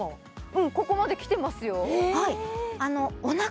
うんここまできてますよえ